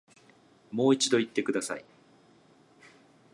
もう一度言ってください